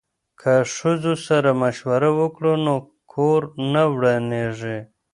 که ښځو سره مشوره وکړو نو کور نه ورانیږي.